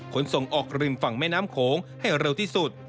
ขนส่งออกริมฝั่งแม่น้ำโขงให้เร็วที่สุด